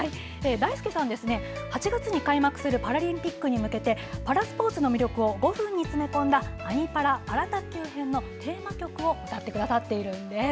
だいすけさんは８月に開幕するパラリンピックに向けてパラスポーツの魅力を５分に詰め込んだ「アニ×パラ」パラ卓球編のテーマ曲を歌ってくださっているんです。